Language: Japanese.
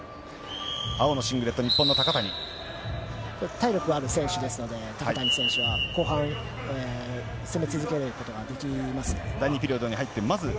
体力がある選手ですので、高谷選手は後半、攻め続けることができます。